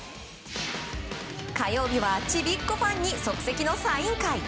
火曜日はちびっこファンに即席のサイン会。